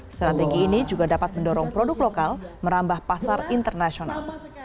strategi ini juga dapat mendorong produk lokal merambah pasar internasional